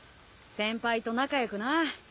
先輩と仲良くな。